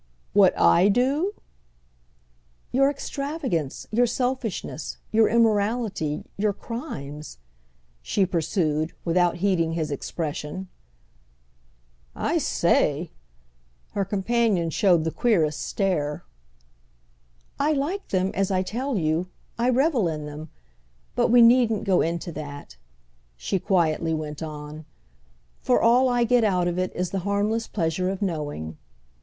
"What I do?" "Your extravagance, your selfishness, your immorality, your crimes," she pursued, without heeding his expression. "I say!"—her companion showed the queerest stare. "I like them, as I tell you—I revel in them. But we needn't go into that," she quietly went on; "for all I get out of it is the harmless pleasure of knowing.